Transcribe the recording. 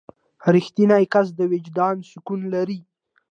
• رښتینی کس د وجدان سکون لري.